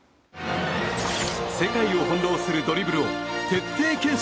世界を翻弄するドリブルを徹底検証。